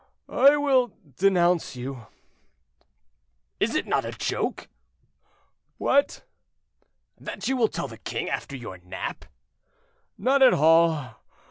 "I will denounce you." "Is it not a joke?" "What?" "That you will tell the king after your nap." "Not at all.